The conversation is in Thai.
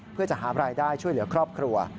เพื่อจะหาบรายได้ช่วยเหลือครอบครัว